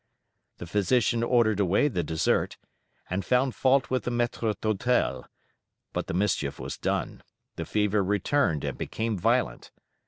The physician ordered away the dessert, and found fault with the maitre d'hotel; but the mischief was done, the fever returned and became violent.